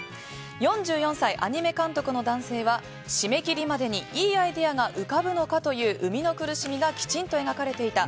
４４歳、アニメ監督の男性は締め切りまでにいいアイデアが浮かぶのかという生みの苦しみがきちんと描かれていた。